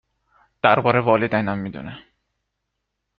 درباره والدینم می دونه